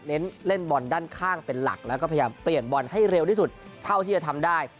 เล่นเล่นบอลด้านข้างเป็นหลักแล้วก็พยายามเปลี่ยนบอลให้เร็วที่สุดเท่าที่จะทำได้